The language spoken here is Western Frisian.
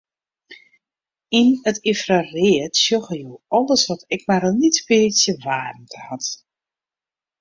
Yn it ynfraread sjogge je alles wat ek mar in lyts bytsje waarmte hat.